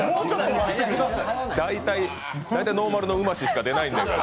大体ノーマルのうまししか出ないんだけど。